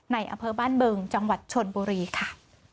ในอเภอบ้านเบืองจังหวัดชวนบุรีค่ะ